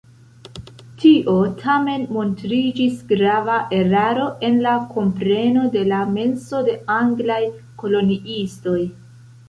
Tio tamen montriĝis grava eraro en la kompreno de la menso de anglaj koloniistoj.